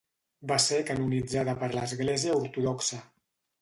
Va ser canonitzada per l'Església ortodoxa.